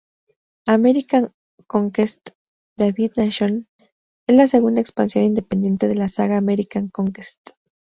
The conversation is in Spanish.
American Conquest: Divided Nation es la segunda expansión independiente de la saga American Conquest.